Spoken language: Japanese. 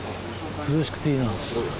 涼しくていいな。